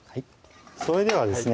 それではですね